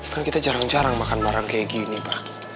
kan kita jarang jarang makan barang kayak gini pak